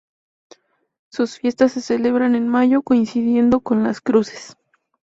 Sus fiestas se celebran en mayo, coincidiendo con las cruces.